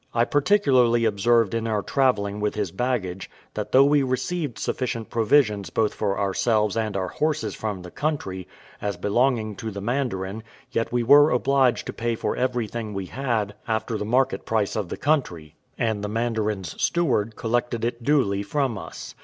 I particularly observed in our travelling with his baggage, that though we received sufficient provisions both for ourselves and our horses from the country, as belonging to the mandarin, yet we were obliged to pay for everything we had, after the market price of the country, and the mandarin's steward collected it duly from us.